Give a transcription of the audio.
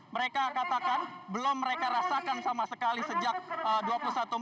mereka katakan belum mereka rasakan sama sekali sejak dua puluh satu mei seribu sembilan ratus sembilan puluh delapan silam